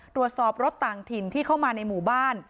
ตรวจสอบรถต่างถิ่นที่เข้ามาในหมู่บ้าน